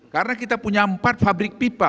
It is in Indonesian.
karena kita punya empat fabrik pipa